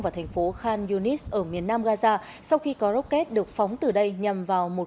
vào thành phố khan yunis ở miền nam gaza sau khi có rocket được phóng từ đây nhằm vào một